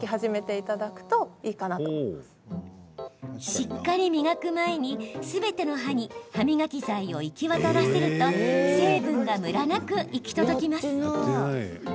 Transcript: しっかり磨く前に、すべての歯に歯磨き剤を行き渡らせると成分がムラなく行き届きます。